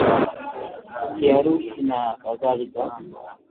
kiharusi na kadhalika